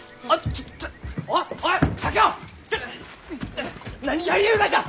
ちょ何やりゆうがじゃ！？